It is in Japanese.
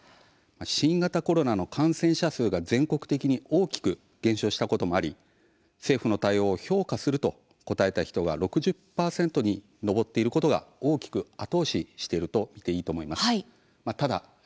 新型コロナの感染者数が全国的に大きく減少したこともあり政府の対応を評価すると答えた人が６０％に上っていることが大きく後押ししていると言っていいと思います。